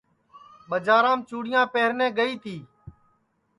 بڄارام چُڑیاں پہرنے گائی تی